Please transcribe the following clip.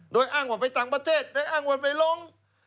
โดยอ้างว่าไปต่างประเทศโดยอ้างว่าไปร้อง